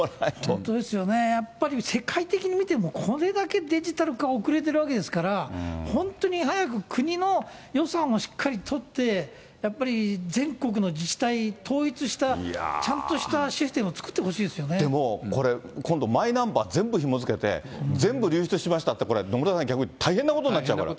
本当ですよね、やっぱり世界的に見ても、これだけデジタル化遅れてるわけですから、本当に早く国の予算をしっかりとって、やっぱり全国の自治体統一した、ちゃんとしたシステムを作ってほでもこれ、今度マイナンバー全部ひも付けて、全部流出しましたって、野村さん、逆に大変なことになっちゃうから。